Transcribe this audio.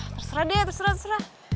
terserah deh terserah terserah